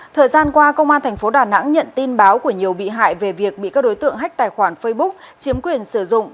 thời gian qua công an tp đà nẵng nhận tin báo của nhiều bị hại về việc bị các đối tượng hách tài khoản facebook chiếm quyền sử dụng